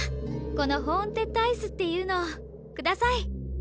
この「ホーンテッドアイス」っていうのください！